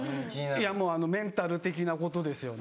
いやもうあのメンタル的なことですよね。